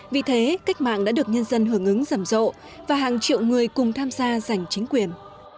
vì thế cách mạng đã được nhân dân hưởng ứng rầm rộ và hàng triệu người cùng tham gia giành chính quyền